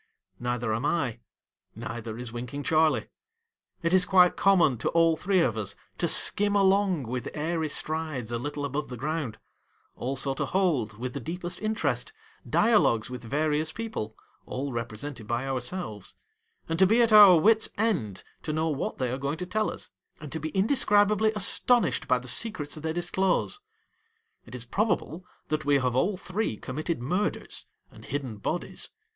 Neither am I. Neither is Winking Charley. It is quite common to all three of us to skim along with airy strides a little above the ground ; also to hold, with the deepest interest, dialogues with various people, all represented by ourselves ; and to be at our wit's end to know what they are going to tell us ; and to be indescribably astonished by the secrets they disclose. It is probable that we have all three committed murders and hidden bodies.